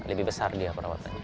lebih besar dia perawatannya